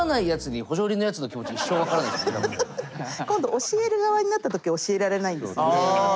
ここ通らないやつに今度教える側になった時教えられないんですよね。